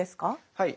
はい。